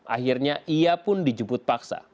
akhirnya ia pun dijemput paksa